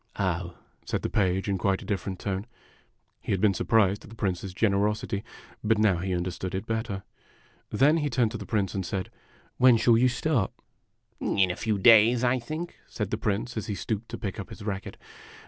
" Oh !" said the Page, in quite a different tone. ' He had been 136 IMAGINOTIONS surprised at the Prince's generosity, but now he understood it better. Then he turned to the Prince and said, "When shall you start?" " In a few days, I think," said the Prince, as he stooped to pick up his racket.